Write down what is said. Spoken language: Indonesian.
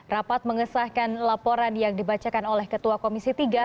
rapat mengesahkan laporan yang dibacakan oleh ketua komisi tiga